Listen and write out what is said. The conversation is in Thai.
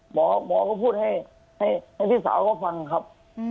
หมอก็พูดให้พี่สาวเขาฟังครับ